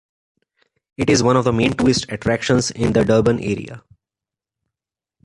It is one of the main tourist attractions in the Durban area.